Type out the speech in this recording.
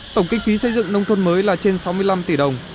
tổng kinh phí xây dựng nông thôn mới là trên sáu mươi năm tỷ đồng